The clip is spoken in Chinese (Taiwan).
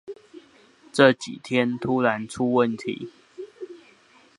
這幾天突然出問題